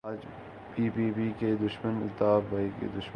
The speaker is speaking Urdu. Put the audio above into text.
آج پی پی پی کے دشمن الطاف بھائی کے دشمن